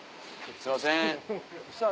すいません。